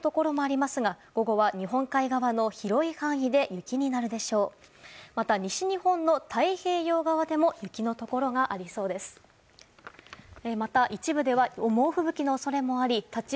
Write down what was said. また、西日本の太平洋側でも雪のところがありそうです。